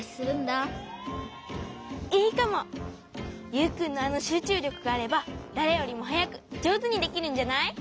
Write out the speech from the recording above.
ユウくんのあのしゅうちゅうりょくがあればだれよりもはやくじょうずにできるんじゃない？